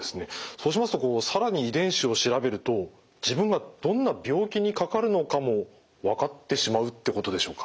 そうしますとこう更に遺伝子を調べると自分がどんな病気にかかるのかも分かってしまうってことでしょうか？